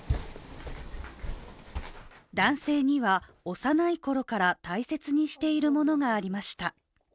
男性には、幼いころから大切にしているものがありました。